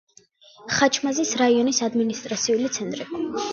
ხაჩმაზის რაიონის ადმინისტრაციული ცენტრი.